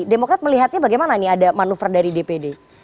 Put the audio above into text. demokrat melihatnya bagaimana nih ada manuver dari dpd